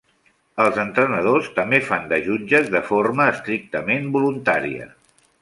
Els entrenadors també fan de jutges de forma estrictament voluntària.